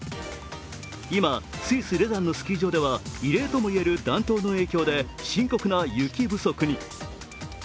今、スイス・レザンのスキー場では異例ともいわれる暖冬の影響で深刻な雪不足に。